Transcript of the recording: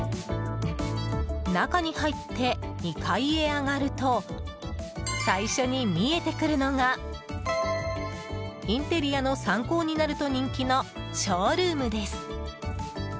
中に入って２階へ上がると最初に見えてくるのがインテリアの参考になると人気のショールームです。